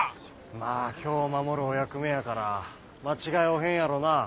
まあ京を守るお役目やから間違いおへんやろなぁ。